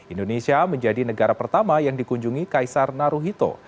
indonesia menjadi negara pertama yang dikunjungi kaisar naruhito